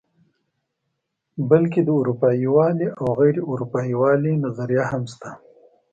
بلکې د اروپايي والي او غیر اروپايي والي نظریه هم شته.